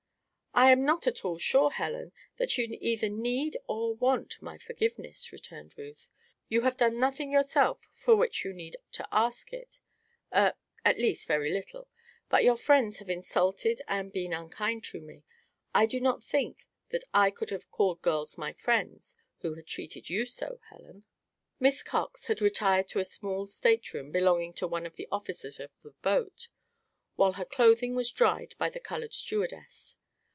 "I am not at all sure, Helen, that you either need or want my forgiveness," returned Ruth. "You have done nothing yourself for which you need to ask it er, at least, very little; but your friends have insulted and been unkind to me. I do not think that I could have called girls my friends who had treated you so, Helen." Miss Cox had retired to a small stateroom belonging to one of the officers of the boat, while her clothing was dried by the colored stewardess.